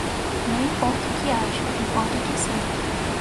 Não importa o que acho, importa o que sei